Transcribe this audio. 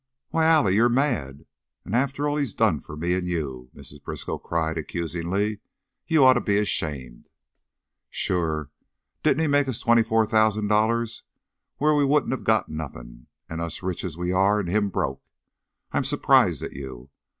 "Why, Allie, you're mad! And after all he done for me an' you," Mrs. Briskow cried, accusingly. "You oughter be ashamed." "Sure! Didn't he make us twenty four thousan' dollars, where we wouldn't of got nothin'? An' us rich as we are, an' him broke? I'm supprised at you."